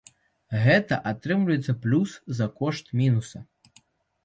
Гэта атрымліваецца плюс за кошт мінуса!